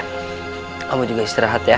kamu juga istirahat ya